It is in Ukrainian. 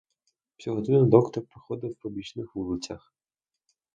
Всю годину доктор проходив по бічних вулицях.